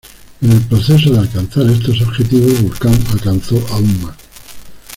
En el proceso de alcanzar estos objetivos, Vulcan alcanzó aún más.